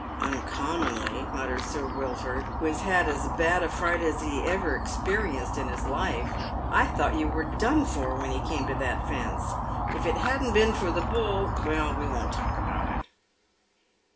_" Uncommonly," mutters Sir Wilford, who has had as bad a fright as he ever experienced in his life. " I thought you werb done for when he came to that fence. If it hadn't been for the Bull — well, we won't talk about it."